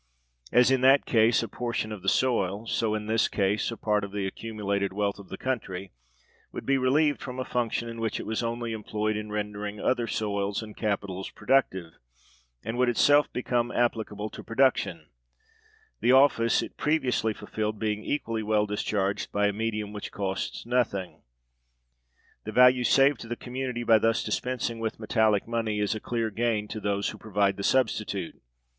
As in that case a portion of the soil, so in this a part of the accumulated wealth of the country, would be relieved from a function in which it was only employed in rendering other soils and capitals productive, and would itself become applicable to production; the office it previously fulfilled being equally well discharged by a medium which costs nothing. The value saved to the community by thus dispensing with metallic money is a clear gain to those who provide the substitute.